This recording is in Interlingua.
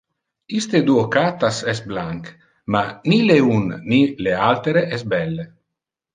Iste duo cattas es blanc, ma ni le un ni le altere es belle.